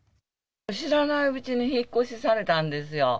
知らないうちに引っ越しされたんですよ。